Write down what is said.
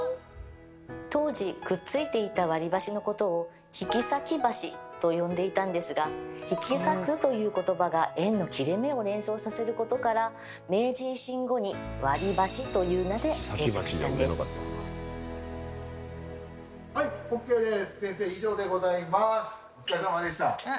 当時くっついていた割り箸のことを「引き裂き箸」と呼んでいたんですが「引き裂く」ということばが縁の切れ目を連想させることから明治維新後に「割り箸」という名で定着したんです。ということでえ？